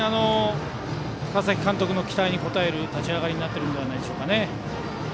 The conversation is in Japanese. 川崎監督の期待に応える立ち上がりになっているんじゃないでしょうか。